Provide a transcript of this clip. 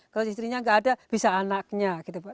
kalau istrinya nggak ada bisa anaknya gitu pak